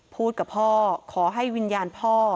พูดกับพ่อขอให้วิญญาณพ่อ